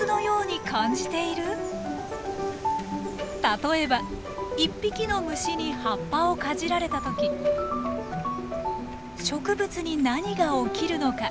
例えば一匹の虫に葉っぱをかじられた時植物に何が起きるのか。